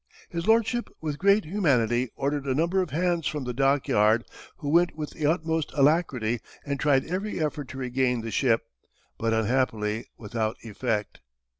His Lordship with great humanity ordered a number of hands from the dock yard, who went with the utmost alacrity and tried every effort to regain the ship, but unhappily without effect.